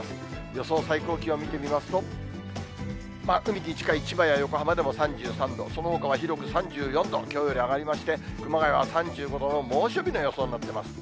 予想最高気温見てみますと、海に近い千葉や横浜など３３度、そのほかは広く３４度、きょうより上がりまして、熊谷は３５度の猛暑日の予想になってます。